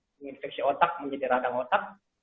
menginfeksi otak menjadi radang otak